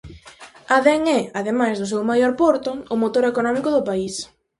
Adén é, ademais do seu maior porto, o motor económico do país.